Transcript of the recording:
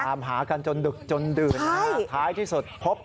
ตามหากันจนดื่นค้ายที่สุด